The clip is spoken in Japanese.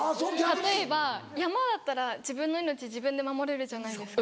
例えば山だったら自分の命自分で守れるじゃないですか。